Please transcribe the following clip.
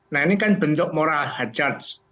nah ini kan bentuk moral hajadge